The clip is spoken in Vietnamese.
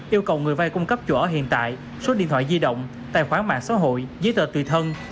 yêu cầu người bay cung cấp chủ ở hiện tại số điện thoại di động tài khoản mạng xã hội dí tờ tùy thân